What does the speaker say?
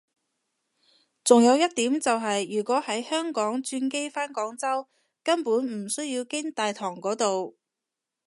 仲有一點就係如果喺香港轉機返廣州根本唔需要經大堂嗰度